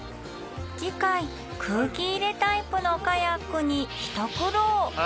次回空気入れタイプのカヤックに一苦労ああ。